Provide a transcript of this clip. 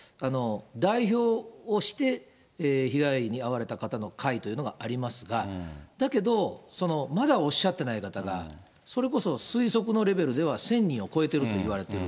代表をして被害に遭われた方の会というのがありますが、だけど、まだおっしゃってない方が、それこそ推測のレベルでは１０００人を超えているといわれている。